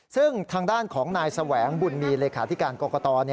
ซึ่งทางด้านของนายแสวงบุญมีเลขาธิการกรกต